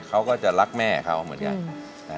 เขาก็จะรักแม่เขาเหมือนกัน